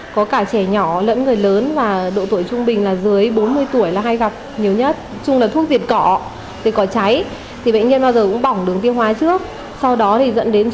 có cả trẻ nhỏ lẫn người lớn và độ tuổi trung bình là dưới bốn mươi tuổi